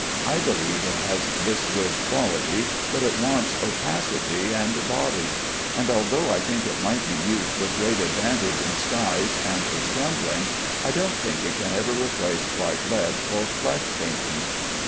I believe it has this good quality, but it wants opacity and body; and although I think it might be used with great advantage in skies, or for scumbling, I don't think it can ever replace white lead for flesh painting.